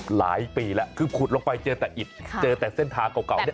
หลายปีแล้วคือขุดลงไปเจอแต่อิดเจอแต่เส้นทางเก่าเนี่ย